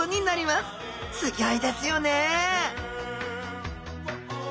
すギョいですよね